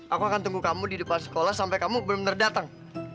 aku akan tunggu kamu di depan sekolah sampai kamu benar benar datang